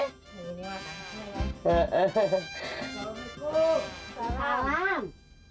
hai salam salam